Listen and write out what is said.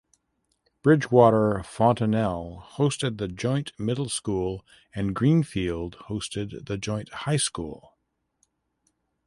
Bridgewater–Fontanelle hosted the joint middle school and Greenfield hosted the joint high school.